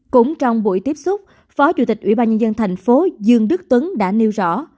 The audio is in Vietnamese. cũng trong buổi tiếp xúc phó chủ tịch ủy ban nhân dân thành phố dương đức tuấn đã nêu rõ